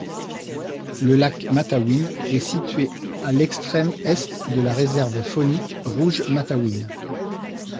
Le lac Matawin est situé à l'extrême est de la réserve faunique Rouge-Matawin.